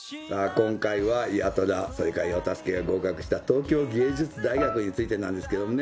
今回は八虎それから世田介が合格した東京藝術大学についてなんですけどもね